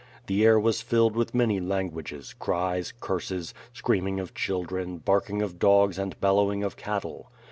The air was filled with many languages, cries, curses, screaming of children, barking of dogs and bel lowing of cattle.